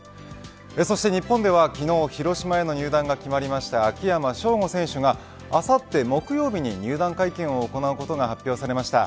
そして日本では昨日広島への入団が決まりました秋山翔吾選手があさって木曜日に入団会見を行うことが発表されました。